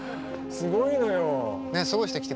すごいのよ。